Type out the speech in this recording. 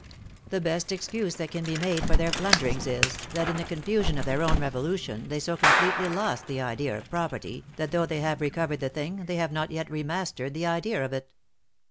The best excuse that can be made for their plunderings is, that in the confusion of their own revolution they so completely lost the idea of property, that though they have re covered the thing, they have not yet remastered the idea of it."